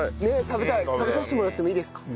食べさせてもらってもいいですか？